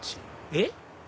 えっ？